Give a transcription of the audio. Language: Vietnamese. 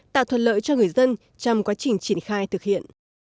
tạo thuận lợi cho người dân trong quá trình triển khai thực hiện